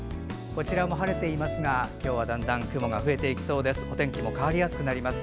こちらも晴れていますが今日はだんだん雲が増えていきそうです。